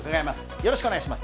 よろしくお願いします。